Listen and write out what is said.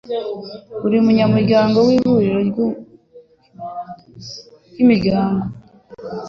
buri munyamuryango w ihuriro ry imiryango